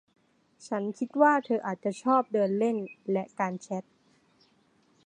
ฉันคิดว่าเธออาจจะชอบเดินเล่นและการแชท